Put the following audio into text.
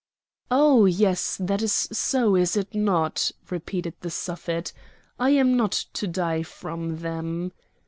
"Oh! yes, that is so, is it not?" repeated the Suffet, "I am not to die from them!"